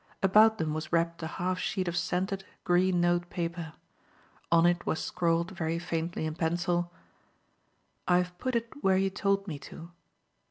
About them was wrapped a half sheet of scented, green note paper. On it was scrawled very faintly in pencil, "I have put it where you told me to."